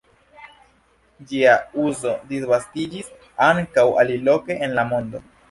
Ĝia uzo disvastiĝis ankaŭ aliloke en la mondo.